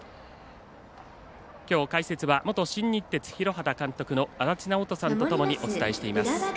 きょう解説は元新日鉄広畑監督の足達尚人さんとともにお伝えしています。